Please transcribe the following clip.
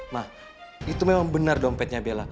nah itu memang benar dompetnya bella